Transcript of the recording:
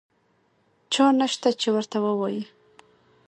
چا نشته چې ورته ووایي.